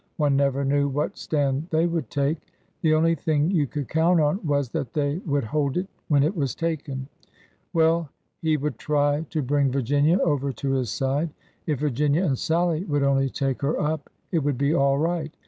One never knew what stand they would take. The only thing you could count on was that they would hold it when it was taken. Well, he would try to bring Virginia over to his side. If Virginia and Sallie would only take her up, it would be all right.